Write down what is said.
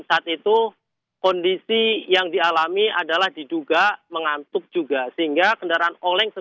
saat itu kondisi yang dialami adalah diduga mengantuk juga sehingga kendaraan oleng